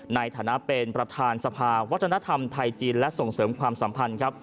ในฐานะเป็นประธานสภาวัฒนธรรมไทยจีนและส่งเสริมความสัมพันธ์ครับ